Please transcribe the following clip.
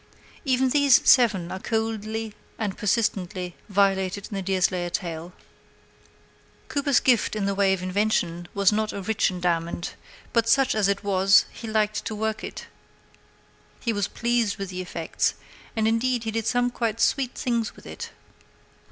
Even these seven are coldly and persistently violated in the Deerslayer tale. Cooper's gift in the way of invention was not a rich endowment; but such as it was he liked to work it, he was pleased with the effects, and indeed he did some quite sweet things with it.